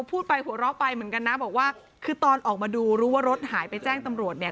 พูดไปหัวเราะไปเหมือนกันนะบอกว่าคือตอนออกมาดูรู้ว่ารถหายไปแจ้งตำรวจเนี่ย